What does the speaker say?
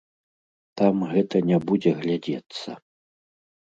Там гэта не будзе глядзецца.